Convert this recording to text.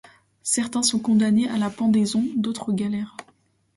Certains sont condamnés à la pendaison, d'autres aux galères.